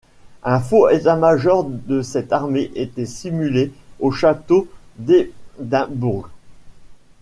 Un faux état-major de cette armée était simulé au château d'Édimbourg.